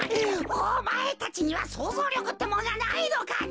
おまえたちにはそうぞうりょくってもんがないのかね。